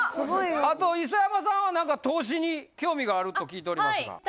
あと磯山さんはなんか投資に興味があると聞いておりますが。